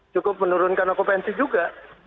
cukup menurunkan okupansi juga